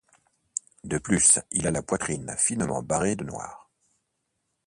De plus il a la poitrine finement barrée de noir.